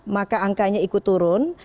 maka angkanya ikut turun